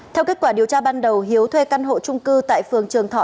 theo kết quả điều tra ban đầu hiếu thuê căn hộ trung cư tại phường trường thọ